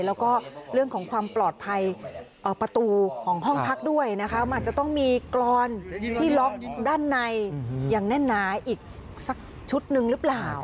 แล้วก็เรื่องของความปลอดภัยประตูของห้องพักด้วยนะคะมันอาจจะต้องมีกรอนที่ล็อกด้านในอย่างแน่นหนาอีกสักชุดหนึ่งหรือเปล่า